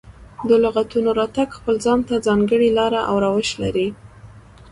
د لغتونو راتګ خپل ځان ته ځانګړې لاره او روش لري.